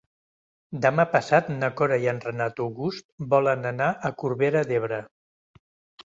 Demà passat na Cora i en Renat August volen anar a Corbera d'Ebre.